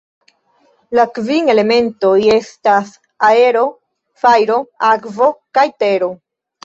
La kvin elementoj estas: Aero, Fajro, Akvo kaj Tero.